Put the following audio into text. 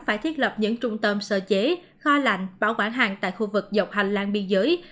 phải thiết lập những trung tâm sơ chế kho lạnh bảo quản hàng tại khu vực dọc hành lang biên giới